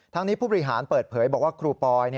ทั้งนี้ผู้บริหารเปิดเผยบอกว่าครูปอย